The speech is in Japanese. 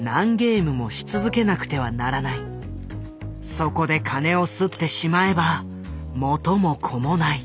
そこで金をすってしまえば元も子もない。